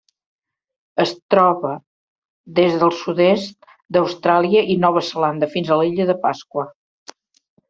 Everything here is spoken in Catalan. Es troba des del sud-est d'Austràlia i Nova Zelanda fins a l'Illa de Pasqua.